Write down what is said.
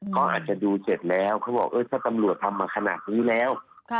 เขาอาจจะดูเสร็จแล้วเขาบอกถ้าตำรวจทำมาขนาดนี้แล้ว